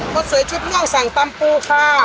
ก็สวยชุดนอกสั่งตามปูค่ะ